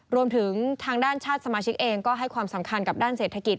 รวมถึงทางด้านชาติสมาชิกเองก็ให้ความสำคัญกับด้านเศรษฐกิจ